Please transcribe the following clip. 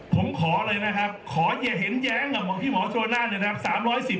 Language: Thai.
ผมขอเลยนะครับขออย่าเห็นแย้งกับของพี่หมอโชนานเนี่ยนะครับ